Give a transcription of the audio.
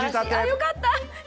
良かった！